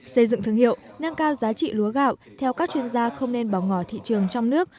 xây dựng thương hiệu nâng cao giá trị lúa gạo theo các chuyên gia không nên bỏ ngỏ thị trường trong nước